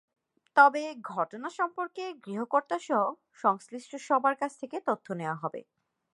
তবে ঘটনা সম্পর্কে গৃহকর্তাসহ সংশ্লিষ্ট সবার কাছ থেকে তথ্য নেওয়া হবে।